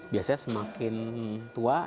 biasanya semakin tua